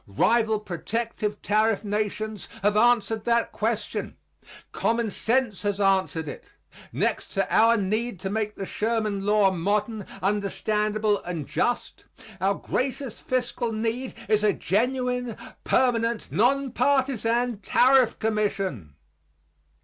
Rival protective tariff nations have answered that question. Common sense has answered it. Next to our need to make the Sherman law modern, understandable and just, our greatest fiscal need is a genuine, permanent, non partisan tariff commission.